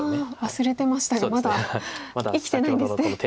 忘れてましたがまだ生きてないんですね。